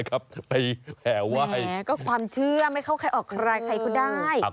จะไปแห่ไหว้แหมก็ความเชื่อไม่เข้าใครออกใครใครก็ได้